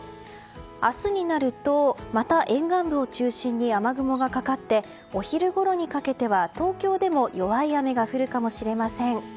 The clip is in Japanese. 明日になるとまた沿岸部を中心に雨雲がかかってお昼ごろにかけては東京でも弱い雨が降るかもしれません。